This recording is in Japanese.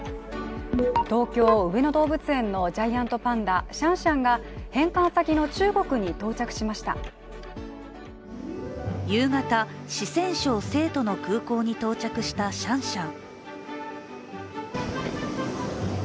東京・上野動物園のジャイアントパンダシャンシャンが夕方、四川省成都の空港に到着したシャンシャン。